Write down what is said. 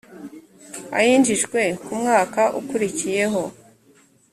ayinjijwe ku mwaka ukurikiyeho